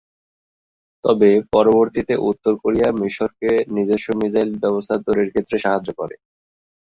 তবে পরবর্তীতে উত্তর কোরিয়া মিশরকে নিজস্ব মিসাইল ব্যবস্থা তৈরির ক্ষেত্রে সাহায্য করে।